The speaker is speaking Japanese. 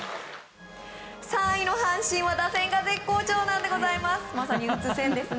３位の阪神は、打線が絶好調なんでございます。